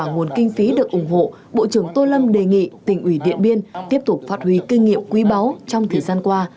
nguồn kinh phí được ủng hộ bộ trưởng tô lâm đề nghị tỉnh ủy điện biên tiếp tục phát huy kinh nghiệm quý báu trong thời gian qua